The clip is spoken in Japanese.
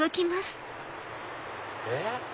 えっ？